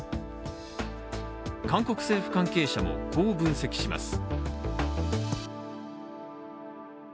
韓国政府関係者もこう分析します。